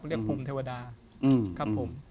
เรียกภูมิเทวดาครับผม